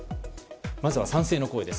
まずは賛成の声です。